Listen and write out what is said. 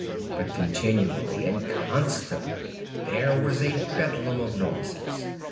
But continually and constantly there was a bedlam of noises.